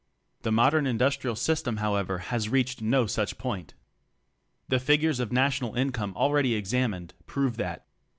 The modern industrial system however has reached no such point. The figures of national income already examined prove that.